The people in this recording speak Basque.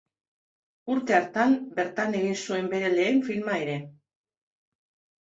Urte hartan bertan egin zuen bere lehen filma ere.